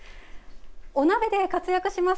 お鍋で活躍します